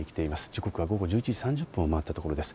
時刻は午後１１時３０分を回ったところです。